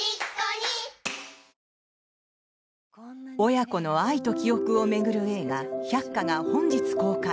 親子の愛と記憶を巡る映画「百花」が本日公開。